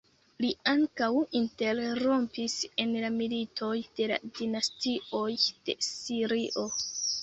Li ankaŭ interrompis en la militoj de la dinastioj de Sirio.